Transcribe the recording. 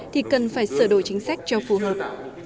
thì cần phải sửa đổi chính sách cho phù hợp